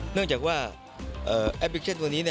เนื่องจากว่าแอฟฟิกเช่นตัวนี้